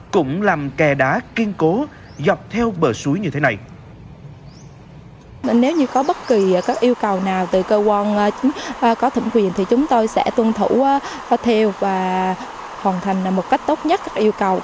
cũng làm kè đá kiên cố dọc theo bờ suối như thế này